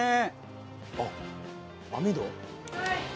あっ網戸？